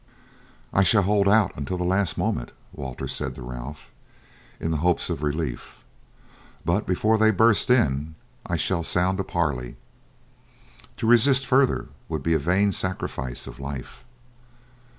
"I shall hold out until the last moment," Walter said to Ralph, "in hopes of relief, but before they burst in I shall sound a parley. To resist further would be a vain sacrifice of life."